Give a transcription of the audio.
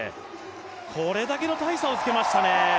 これだけの大差をつけましたね。